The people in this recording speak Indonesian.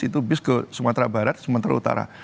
itu bis ke sumatera barat sumatera utara